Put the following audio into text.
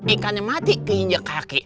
ikan yang mati keinjek kaki